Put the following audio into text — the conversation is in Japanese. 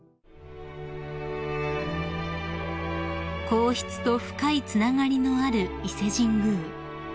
［皇室と深いつながりのある伊勢神宮］